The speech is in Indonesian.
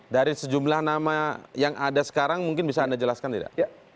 dari sejumlah nama yang ada sekarang mungkin bisa anda jelaskan tidak